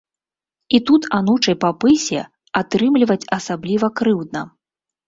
І тут анучай па пысе атрымліваць асабліва крыўдна.